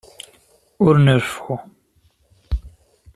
Ur nreffu.